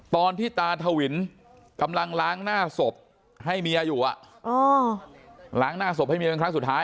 ตอนที่ตาทวินกำลังล้างหน้าศพให้เมียอยู่ล้างหน้าศพให้เมียเป็นครั้งสุดท้าย